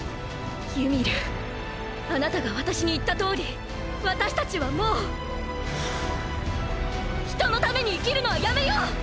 ユミルあなたが私に言ったとおり私たちはもう人のために生きるのはやめよう！！